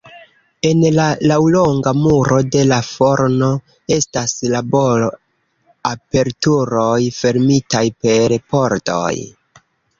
En la laŭlonga muro de la forno estas labor-aperturoj fermitaj per pordoj.